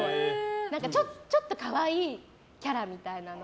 ちょっと可愛いキャラみたいなの。